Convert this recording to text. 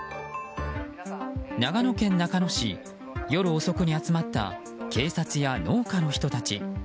長野県中野市、夜遅くに集まった警察や農家の人たち。